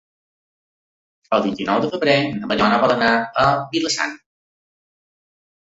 El vint-i-nou de febrer na Mariona vol anar a Vila-sana.